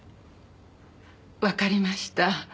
わかりました。